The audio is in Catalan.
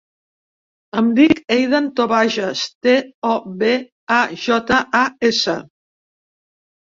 Em dic Eidan Tobajas: te, o, be, a, jota, a, essa.